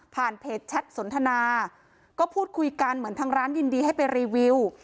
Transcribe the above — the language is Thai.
เพจแชทสนทนาก็พูดคุยกันเหมือนทางร้านยินดีให้ไปรีวิว